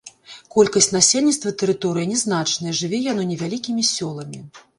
Колькасць насельніцтва тэрыторыі нязначная, жыве яно невялікімі сёламі.